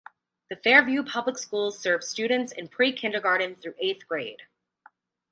The Fairview Public Schools serve students in pre-kindergarten through eighth grade.